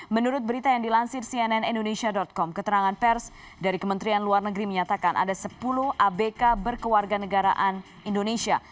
menurut berita yang dilansir cnn indonesia com keterangan pers dari kementerian luar negeri menyatakan ada sepuluh abk berkewarga negaraan indonesia